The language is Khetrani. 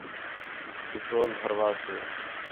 پٹرول بھروا سے